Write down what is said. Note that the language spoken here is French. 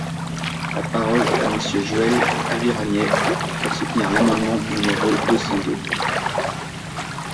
La parole est à Monsieur Joël Aviragnet, pour soutenir l’amendement numéro deux cent deux.